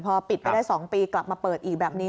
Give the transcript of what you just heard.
พอปิดไปได้๒ปีกลับมาเปิดอีกแบบนี้